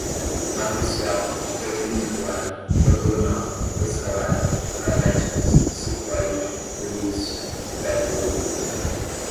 matricial, perpendicular, ortogonal, escalar, paramétricas, cicloide, elipse, hipérbole